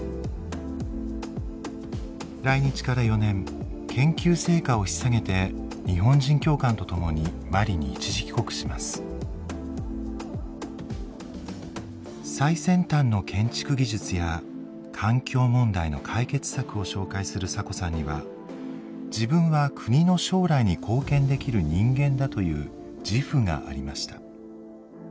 来日から４年研究成果をひっ提げて日本人教官と共に最先端の建築技術や環境問題の解決策を紹介するサコさんには自分は国の将来に貢献できる人間だという自負がありました。